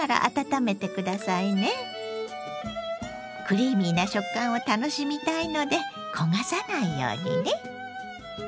クリーミーな食感を楽しみたいので焦がさないようにね。